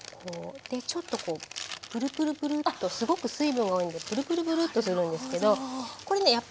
でちょっとこうプルプルプルッとすごく水分が多いんでプルプルプルッとするんですけどこれね